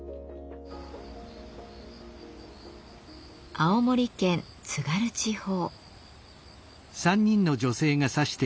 青森県津軽地方。